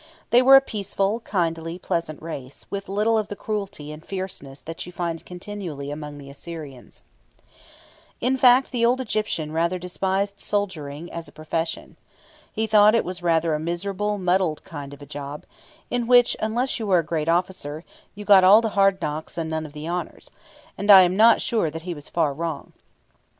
They were a peaceful, kindly, pleasant race, with little of the cruelty and fierceness that you find continually among the Assyrians. [Illustration: PLATE 4. RAMSES II. IN HIS WAR CHARIOT: SARDINIAN GUARDSMEN ON FOOT.] In fact, the old Egyptian rather despised soldiering as a profession. He thought it was rather a miserable, muddled kind of a job, in which, unless you were a great officer, you got all the hard knocks and none of the honours; and I am not sure that he was far wrong.